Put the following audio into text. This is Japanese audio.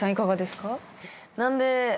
何で。